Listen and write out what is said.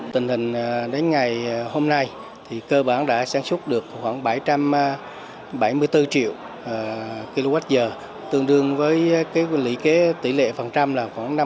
tình hình đến ngày hôm nay thì cơ bản đã sản xuất được khoảng bảy trăm bảy mươi bốn triệu kwh tương đương với lý kế tỷ lệ phần trăm là khoảng năm mươi